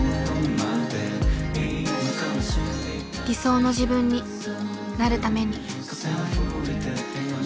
理想の自分になるために。